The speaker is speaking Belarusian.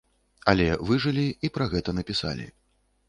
Але выжылі і пра гэта напісалі.